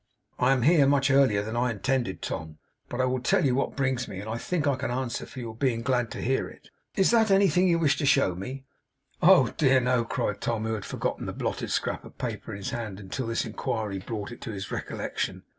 'I am here much earlier than I intended, Tom; but I will tell you, what brings me, and I think I can answer for your being glad to hear it. Is that anything you wish to show me?' 'Oh dear no!' cried Tom, who had forgotten the blotted scrap of paper in his hand, until this inquiry brought it to his recollection.